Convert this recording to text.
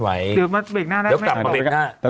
จึงมาส์เปลี่ยนหน้าแล้วไหมแล้วกลับมาส์ไปเป็นหน้า